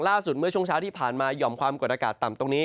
เมื่อช่วงเช้าที่ผ่านมาหย่อมความกดอากาศต่ำตรงนี้